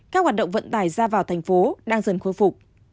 các hoạt động vận tải ra vào thành phố đang dần khôi phục